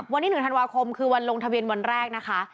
วันที่๑ธันวาคมคือวันลงทะเบียนวันแรกนะคะ